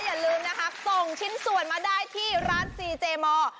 อย่าลืมนะคะส่งชิ้นส่วนมาได้ที่ร้านซีเจมอร์